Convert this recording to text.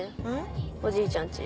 おじいちゃん家。